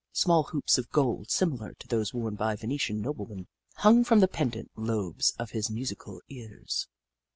Small hoops of gold, similar to those worn by Venetian noblemen, hung from the pendant lobes of his musical ears.